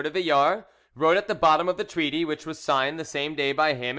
de Villars wrote at the bottom of the treaty, which was signed the same day by him and M.